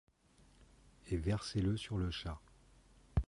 Et versez-le sur le chat.